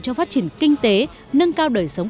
cho phát triển kinh tế nâng cao đời sống